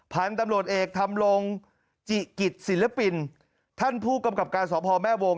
พันธุ์ตำรวจเอกทำลงจิกิจศิลปินท่านผู้กำกับการสอบพ่อแม่วง